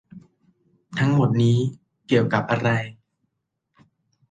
ทั้งหมดนี่เกี่ยวกับอะไร